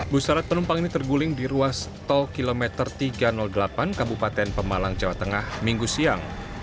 busarat penumpang ini terguling di ruas tol kilometer tiga ratus delapan kabupaten pemalang jawa tengah minggu siang